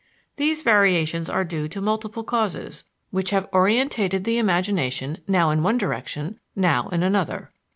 These variations are due to multiple causes, which have orientated the imagination now in one direction, now in another.